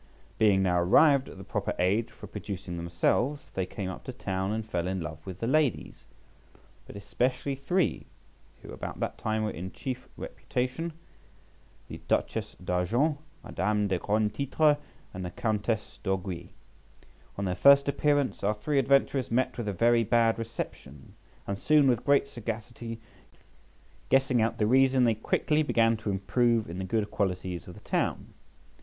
Being now arrived at the proper age for producing themselves, they came up to town and fell in love with the ladies, but especially three, who about that time were in chief reputation, the Duchess d'Argent, Madame de Grands Titres, and the Countess d'Orgueil . On their first appearance, our three adventurers met with a very bad reception, and soon with great sagacity guessing out the reason, they quickly began to improve in the good qualities of the town.